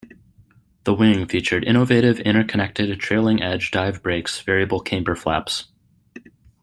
The wing featured innovative interconnected trailing edge dive brakes-variable camber flaps.